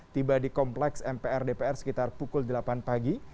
tiba di kompleks mpr dpr sekitar pukul delapan pagi